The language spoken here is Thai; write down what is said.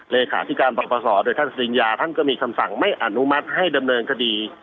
เลขาธิการปรปศโดยท่านสริญญาท่านก็มีคำสั่งไม่อนุมัติให้ดำเนินคดี